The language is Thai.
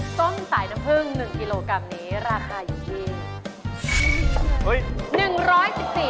ส้มสายน้ำผึ้ง๑กิโลกรัมนี้ราคาอยู่ที่